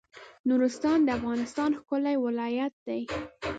نورستان د افغانستان ښکلی ولایت دی